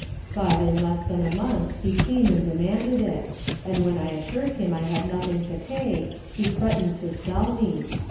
But, in less than a month, he came and demanded it; and when I assur'd him I had nothing to pay, he threatened to sell me.